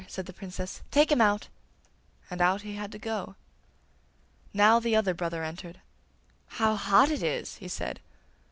said the Princess. 'Take him out!' and out he had to go. Now the other brother entered. 'How hot it is!' he said.